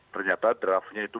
ternyata draftnya itu